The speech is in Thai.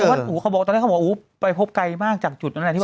เพราะว่าตอนเนี้ยเขาบอกว่าไปพบไกลมากจากจุดนั้นแหละ